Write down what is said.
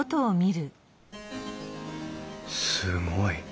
すごい。